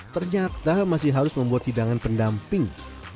ternyata masih harus membuat hidangan pendamping